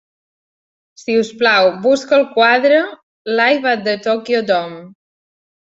Si us plau, busca el quadre "Live at the Tokyo Dome".